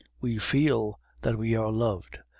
We feel that we are loved.